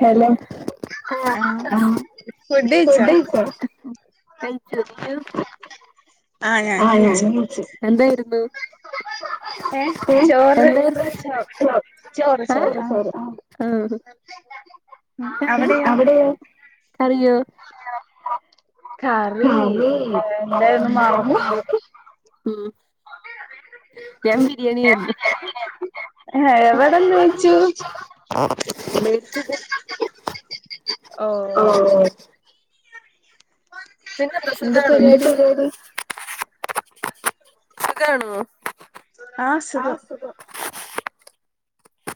Hello ആഹ് food കഴിച്ചോ കഴ്ച്ചോ നീയ് ആ ഞാൻ കയിച്ചു എന്താരുന്നു [inaudible] ഏ ചോറ് ചോ ചോറ് ചോറ് ആഹ് ഉം അവ്ടെയോ കറി എന്താര്ന്നു മറന്നു ഉം എവ്ട്ന്ന് കയ്ച്ചു [inaudible] ഓ പിന്നെന്താ സുഖാണോ എന്താ പരിപാടി? സുഖാണോ? ആഹ് സുഖം.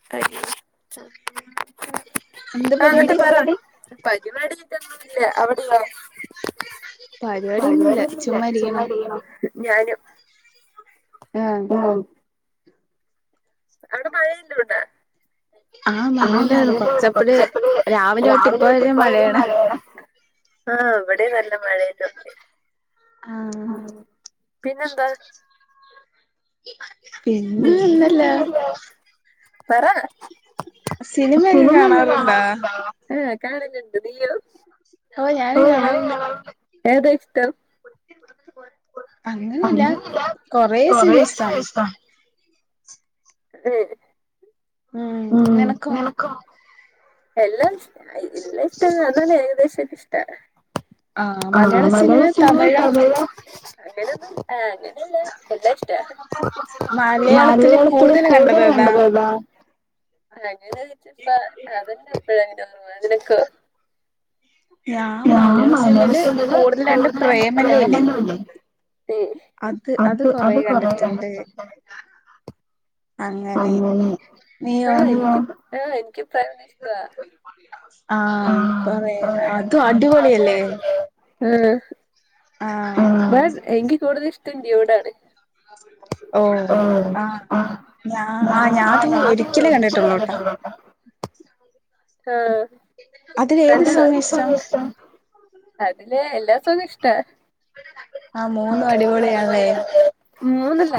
[unintelligible] ആ എന്നിട്ട് പരിപാടി? പരിവാടിയായിട്ടൊന്നൂല്ല അവിടെയോ? പരിവാടിയൊന്നുല്ല ചുമ്മാ ഇരിക്കുണു ഞാനും. ആഹ്. അവടെ മഴയിണ്ടോടാ? ആഹ് മഴണ്ടായിരുന്നു കൊറച്ചപ്പഴ് രാവിലെയൊട്ട് ഇപ്പവരേം മഴയാണ്. [inaudible] ആഹ് ഇവടീം നല്ല മഴയൊക്കുണ്ട്. ആഹ് പിന്നെന്താ? നിങ്ങള് കണ്ടതോ? പറാ സിനിമയൊക്ക കാണാറുണ്ടോ? ആഹ് കാണുന്നുണ്ട്. നീയോ? ഓഹ് ഞാനും കാണാറുണ്ട്. ഏതാ ഇഷ്ടം? അങ്ങനെല്ല കൊറേ സിനിമഷ്ടാണ്. ഏഹ് ഉം നിനക്കോ? എല്ലാം ഇഷ്ടാ എല്ലാം ഇഷ്ടാണ് അതല്ലാ ഏകദേശൊക്കെ ഇഷ്ടാണ്. ആഹ് മലയാള സിനിമേം തമിഴോ അങ്ങനെയൊന്നൂല്ല. ആഹ് മലയാളത്തില് കൂടുതല് കണ്ടതേതാ? അങ്ങനെ ചോദിച്ചാപ്പോ അതന്നെപ്പഴാ എനിക്കോർമ. നിനക്കോ? ഞാ മലയാള സിനിമയില് കൂടുതലാന്നെ പ്രേമലുല്ലേ ത് അത് അത് കൊറേകണ്ടിട്ടുണ്ട്. അങ്ങനെ ആഹ് നി ആഹ് തു ഇഷ്ടവാ. ആ അതേ അതും അതുംനിക്കുണ്ടായിരുന്നു ഉം ആഹ് തായത് എനിക്ക് കൂടുതലിഷ്ടം [unintelligible] ആണ് ഓഹ് ആഹ് ഞാ ആ ഞാത് ഒരിക്കലേ കണ്ടിട്ടുള്ളൂട്ടാ ആഹ്, തനിക്കേത് സോങ്ങാഷ്ടം? അതില് എല്ലാ സോങ്ങുംഷ്ടാ. [unintelligible] മൂന്നല്ല.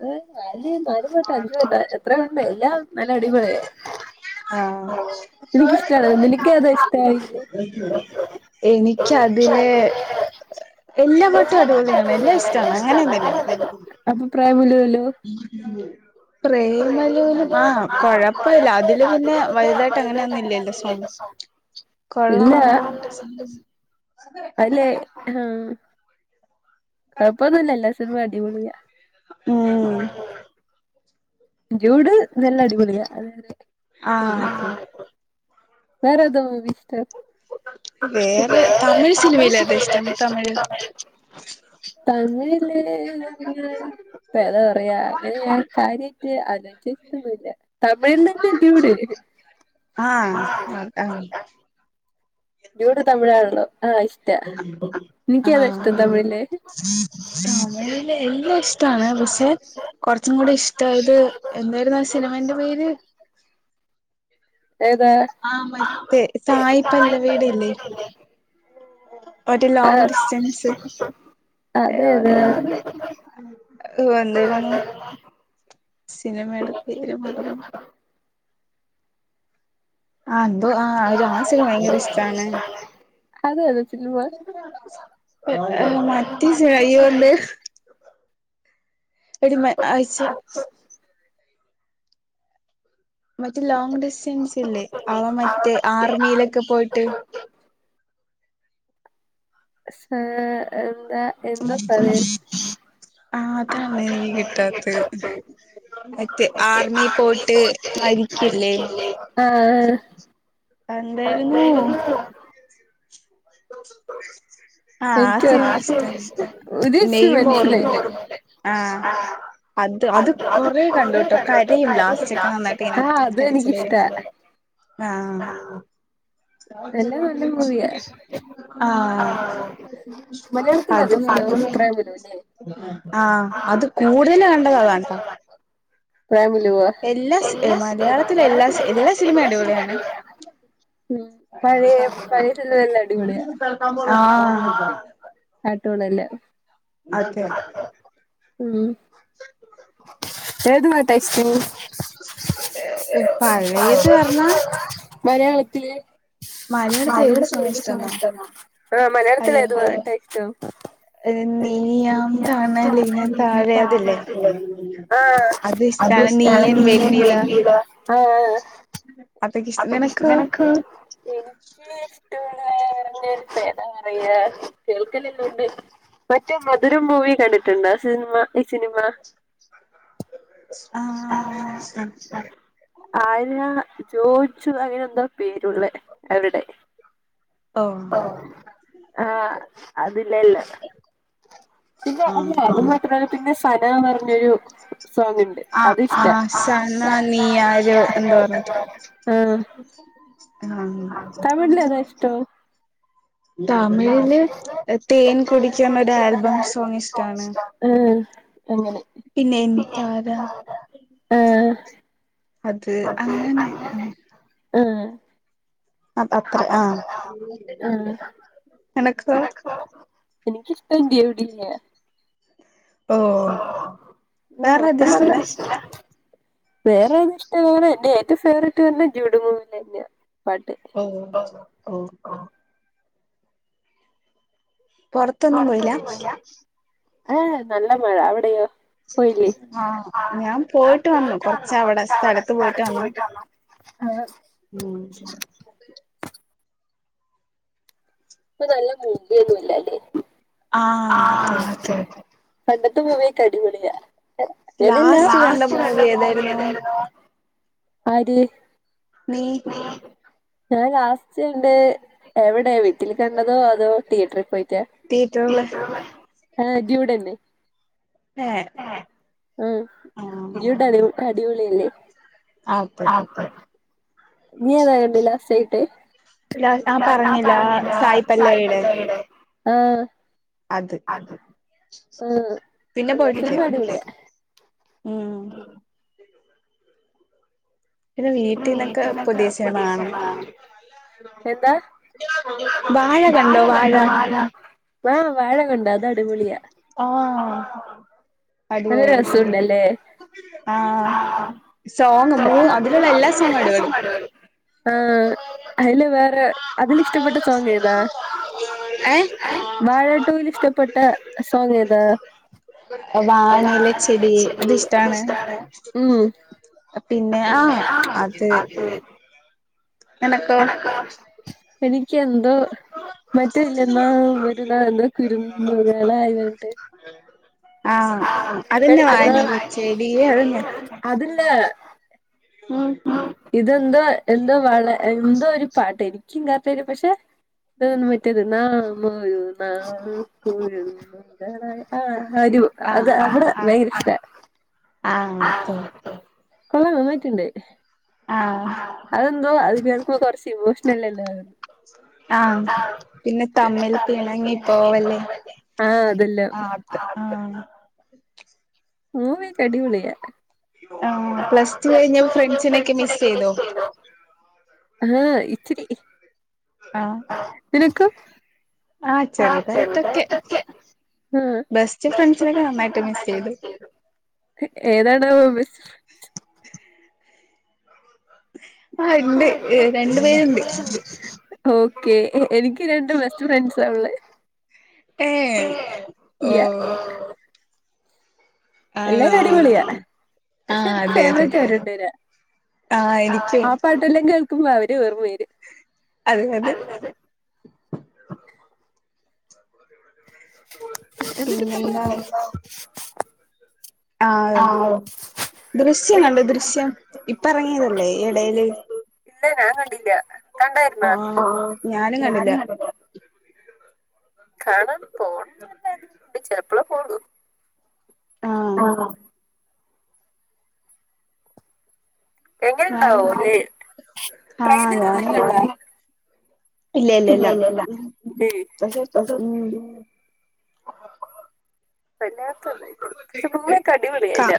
അത് നാല് നാല് പാട്ട് അഞ്ച് പാട്ട ഇത്രക്കണ്ട എല്ലാം നല്ല അടിപൊളിയാ ആഹ് എനിക്കിഷ്ടാണത്. നിനക്കേതാ ഇഷ്ടായിതില്? എനിക്കതില് എല്ലാ പാട്ടും അടിപൊളിയാണ് എല്ലാം ഇഷ്ടാണ് അങ്ങനെയൊന്നുല്ല. പ്രേമലൂലും ആഹ് കൊഴപ്പല്ല. തില് പിന്നെ വലുതായിട്ട് അങ്ങനെയൊന്നുംല്ലല്ലോ സോങ്? കൊള്ളാവുന്ന രണ്ട് സോങ് അല്ലേ ആഹ് കൊഴപ്പൊന്നുല്ല എല്ലാ സിനമേം അടിപൊളിയ. ഉം ഡ്യൂഡ് നല്ല അടിപൊളിയാ അതായത് ആഹ് വേറേതാ മൂവിഷ്ടം വേറെ തമിഴ് സിനിമയിലേതാഷ്ടം തമിഴ്? [inaudible] തമിഴില് പറഞ്ഞാല് ഇപ്പേന്താ പറയാ, അങ്ങനെ ഞാൻ കാര്യ ത് ആലോചിചിട്ട് കിട്ടിണില്ല. തമിഴ്ലല്ലേ ഡ്യൂഡ്? ആഹ്, പ ആ ഡ്യൂട് തമിഴ് ആണല്ലോ ആഹ് ഇഷ്ട നിക്ക്യത ഇഷ്ടം തമിഴില് [unintelligible] കുറച്ചും കൂടി ഇഷ്ടമായത് എന്തായിരുന്നു ആ സിനിമന്റെ പേര് ഏതാ ആഹ് മറ്റേ സായിപല്ലവീടല്ലേ മറ്റേ ലോങ് ഡിസ്റ്റൻസ് [unintelligible] സിനിമയുടെ പേര് മറന്നു ആഹ് ന്തോ ആഹ് ഒരു ആസന് ഭയങ്കര ഇഷ്ടാണ് [unintelligible] എടി മ ആയച്ചു മറ്റ ലോങ് ഡിസ്റ്റൻസ് ഇല്ലേ അവൻ മറ്റേ ആർമിയിലൊക്കെ പോയിട്ട് [unintelligible] എന്താ എന്താ പറയൻ [unintelligible] ആഹ് ആഹ് എന്തായിരുന്നു [inaudible] [unintelligible] ആഹ് അത് എനിക്കിഷ്ട ആഹ് ആഹ് മലയാളത്തിലൽ അത് [unintelligible] വരും അല്ലേ ആഹ് അത് കൂടുതൽ കണ്ടത് അതാട്ടോ [unintelligible] എല്ലാ മലയാളത്തിലെ എല്ലാ എല്ലാ സിനിമ അടിപൊളി ആണ് പഴയ പഴയ സിനിമ എല്ലാം അടിപൊളിയാ [unintelligible] അതേ [unintelligible] പഴയത് പറഞ്ഞാ മലയാളത്തില് [unintelligible] ആ നീ നാം താണലിന് താഴെ അതിലേ അത് ഇഷ്ടാണ് നീ എൻ വെണ്ണിലാ [unintelligible] ആഹ് ആഹ് അതൊക്കെ ഇഷ്ടം നിനക്കോ എന്താ പറയയാ കേൾക്കലല്ലാം ഉണ്ട് മറ്റേ മധുരം മൂവി കണ്ടിട്ടുണ്ടോ സിനിമ ഈ സിനിമ ആര് ജോർജു അങ്ങനെ എന്താ പേരുള്ളേ അവിടെ ഓ ആഹ് അതിലല്ല പിന്ന അല്ല അത് മാത്രല്ല പിന്നെ സന പറഞ്ഞൊരു സോങ് ഉണ്ട് അത് ഇഷ്ട ആഹ് ആഹ് തമിഴില് തേൻ കുടിക്കുന്ന ഒരു ആൽബം സോങ് ഇഷ്ടമാണ് ആഹ് അങ്ങനെ ആഹ് അത് അങ്ങനെ ആഹ് അത് അത്ര ആഹ് നിനക്കോ എനിക്കിഷ്ട ഇണ്ട് എവിടല്ലേ ആഹ വേറെത് ഇഷ്ടംന എന്നെ ഏറ്റവും ഫേവററ്റ് പറഞ്ഞെ ജുടുമൂവല്ലന്നാ ഉ ഉ പൊറ ഏ നല്ല മഴ അവിടെയോ പോയിലെ ആ ഞാൻ പോയിട്ട് വന്നു കൊറച്ചവിടെ സ്ഥലത്ത് പോയിട്ട് വന്നു ആഹ ഇ നല്ല [unintelligible] പൊന്നുംല്ലല്ലേ അഹ് പണ്ടത്തെ മൂവി യൊക്കെ അടിപൊളിയാ [inaudible] ആര് [inaudible] ഞാൻ കണ്ട് എവിടെയാ വീട്ടിൽ കണ്ടതോ അതോ തയേറ്റർ പോയിട്ട [unintelligible] ആഹ് ജൂടെന്റെ ആഹൂടണി അടിോ അടി പൊളിയല്ലേ ആപ്പെ നീ താ കണ്ടില്ല സറ്റേട്ട് നാ പറഞ്ഞില്ല സായിത്തടെ ആ ആഹ എല്ല സമാവിടെ ഉം ആഹ് [unintelligible] എന്താ വാഴ കണ്ട വാഴ ആഹ് വാഴ കണ്ട അതാ അടിപൊളിയാ നല്ല രസുണ്ടല്ലേ അ അതിനുള്ള എല്ലാ സ കടപും ആഹ ഹല വ അതില് വേറെ ആ അതില് ഇഷ്ടപ്പെട്ട സോങ് ഏതാ വാഴ ടൂൽ ഇഷ്ടപ്പെട്ട സോങ് ഏതാ അല്ലനച്ചരി അത് ഇഷ്ടാണ് ഉം പിന്നെ ആ അത് [inaudible] എനക്കോ എനിക്ക് എന്തോ മറ്റില്ലെന്ന ഒരുതാ കുരുുന്നുകാണ് ആയതിട്ട് ആഹ അതന്നെ വാനിലെ ചെടിയെ അതന്നെ അതില്ല ഉം ഇതെന്തോ എന്തോ വള എന്തോ ഒരു പാട്ട് എനിക്കും കത്തരും പക്ഷെ അതൊന്ന് മറ്റേത് നാ മയു നക്കയു അഹ് ആഹ് അരു അത് അത് [unintelligible] അല്ല ല്ല കിട്ടി ആഹ അതെന്തോ അത് എനക്ക കുറച്ച് ഇമോഷനൽ എല്ല അതന്ന് ആഹ അതല്ല ആഹ് അെ ഓമ ക അടിപൊളിയ പ്ലസ് ടു കഴിഞ്ഞ് ഫ്രൻ്സിനെയൊക്കെ മിസ്സ് ചെയ്തൊ ആഹ ഇച്ചരി ആഹ നിനക്ക് ആ ചെറുതായിട്ടൊക്കെ ബെസ്റ്റ് ഫ്രണ്ട്സിനൊക്കെ നന്നായിട്ട് മിസ്സ് ചെയ്തു. ഏതാണാ വൊ ബെസ്റ്റ് ഫ്രണ്ട് ആ ഉണ്ട് ഏ രണ്ടു പേരുണ്ട് ഓക്കെ എനിക്ക് രണ്ട് ബെസ്റ്റ് ഫ്രണ്ട്സാ ഉള്ളേ. ഏ ഇല്ല ഓ ആണോ ആ അതെതെ ആയിരിക്കും. ആ പാട്ടെല്ലാം കേൾക്കുമ്പോ അവരെ ഓർമവരും. അതെ അതെ. ചത്തു പോവല്ലേ. [unintelligible] ആഹ ദൃശ്യ കണ്ട ദൃശ്യം ഇപ്പ ഇറങ്ങിയതല്ലേ ഇടേല്. ഇല്ല ഞാൻ കണ്ടില്ല കണ്ടായിരുന്ന ആ ഞാനും കണ്ടില്ലാ കാണൻ പോണം നല്ല ആഗ്രഹുണ്ട് ചെലപ്പള പോവൊള്ളൂ. എങ്ങനെണ്ടാവോലെ [unintelligible] ഇല്ല ഇല്ല ഇല്ല പക്ഷെ ഉം. വല്ലാത്തതഇതായിപ്പോയി പക്ഷെ പിന്നെ അടിപൊളിയല്ല.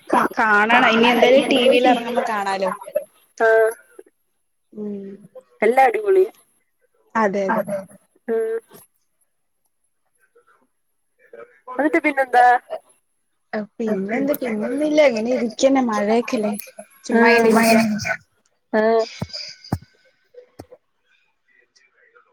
അ ലോ. ആഹ. ഉം. എല്ലാ അടിപൊളിയ. അ. ന്ന് ട്ട് പിന്നെന്താ. അക് ആ. ആഹ.